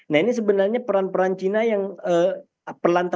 nah ini sebenarnya peran peran cina yang perlantas